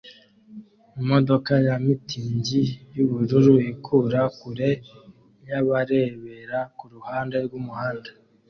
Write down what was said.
Imodoka ya mitingi yubururu ikura kure yabarebera kuruhande rwumuhanda